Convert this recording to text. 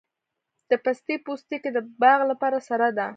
د پستې پوستکي د باغ لپاره سره ده؟